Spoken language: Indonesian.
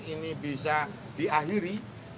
ini bisa diakhiri